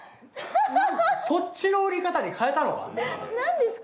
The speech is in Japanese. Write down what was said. そっちの売り方に変えたのか？